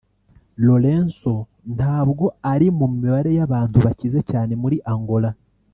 Lourenco ntabwo ari mu mibare y’abantu bakize cyane muri Angola